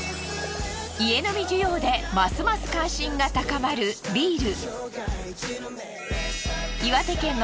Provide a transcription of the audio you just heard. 家飲み需要でますます関心が高まるビール。